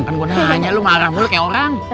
pakin begitu su rho